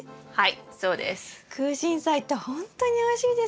はい。